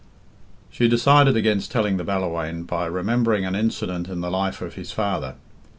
She decided against telling the Ballawhaine by remembering an incident in the life of his father.